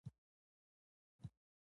درس ټول د لنډې کیسې په باب و.